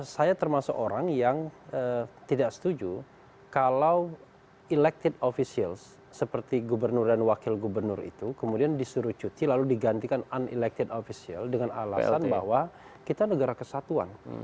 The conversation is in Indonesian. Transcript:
saya termasuk orang yang tidak setuju kalau elected officials seperti gubernur dan wakil gubernur itu kemudian disuruh cuti lalu digantikan unelected official dengan alasan bahwa kita negara kesatuan